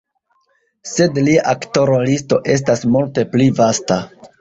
Sed lia aktora listo estas multe pli vasta.